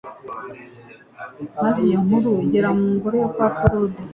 maze iyo nkuru igera mu ngoro yo kwa Herode